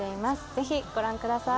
ぜひご覧ください。